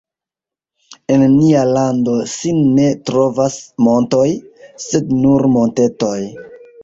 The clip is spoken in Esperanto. En nia lando sin ne trovas montoj, sed nur montetoj.